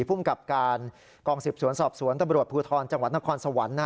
ภูมิกับการกองสืบสวนสอบสวนตำรวจภูทรจังหวัดนครสวรรค์